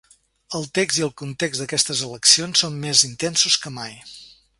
El text i el context d’aquestes eleccions són més intensos que mai.